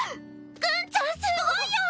⁉ぐんちゃんすごいよ！